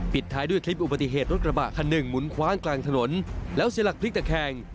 ท้ายด้วยคลิปอุบัติเหตุรถกระบะคันหนึ่งหมุนคว้างกลางถนนแล้วเสียหลักพลิกตะแคง